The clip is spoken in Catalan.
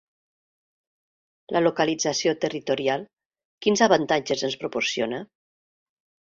La localització territorial, quins avantatges ens proporciona?